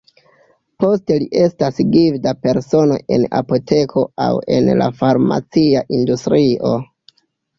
Poste li estas gvida persono en apoteko aŭ en la farmacia industrio.